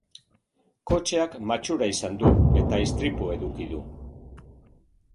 Kotxeak matxura izan du, eta istripua eduki du.